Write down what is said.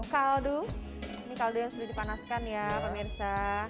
kaldu ini kaldu yang sudah dipanaskan ya pemirsa